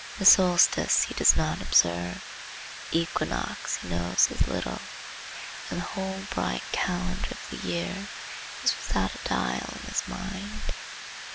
The solstice he does not observe; the equinox he knows as little; and the whole bright calendar of the year is without a dial in his mind.